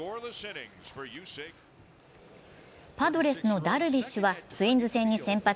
パドレスのダルビッシュはツインズ戦に先発。